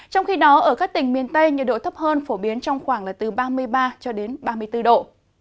trong khi đó ở các tỉnh miền tây nhiệt độ thấp hơn phổ biến trong khoảng là từ ba mươi ba cho đến ba mươi bốn độ